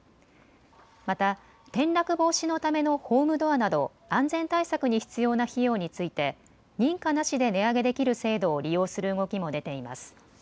また転落防止のためのホームドアなど安全対策に必要な費用について認可なしで値上げできる制度を利用する動きも出ています。